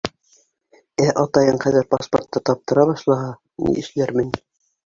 Ә атайың хәҙер паспортты таптыра башлаһа, ни эшләрмен?